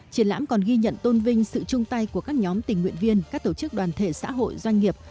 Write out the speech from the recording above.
triển lãm còn ghi nhận tôn vinh sự chung tay của các nhóm tình nguyện viên các tổ chức đoàn thể xã hội doanh nghiệp